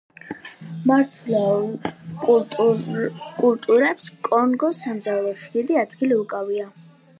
მარცვლეულ კულტურებს კონგოს სამზარეულოში დიდი ადგილი უკავია.